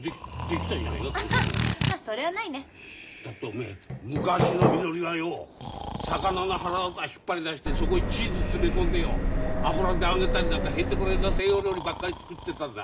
だっておめえ昔のみのりはよ魚のはらわた引っ張り出してそこへチーズ詰め込んでよ油で揚げたりなんかへんてこりんな西洋料理ばっかり作ってたんだ。